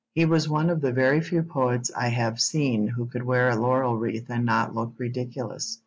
He was one of the very few poets I have seen who could wear a laurel wreath and not look ridiculous.